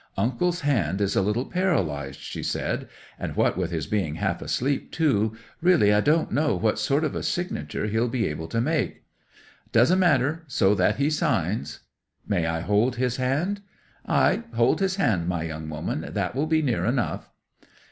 '"Uncle's hand is a little paralyzed," she said. "And what with his being half asleep, too, really I don't know what sort of a signature he'll be able to make." '"Doesn't matter, so that he signs." '"Might I hold his hand?" '"Ay, hold his hand, my young woman—that will be near enough."